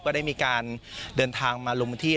ก็ได้มีการเดินทางมาลุมที่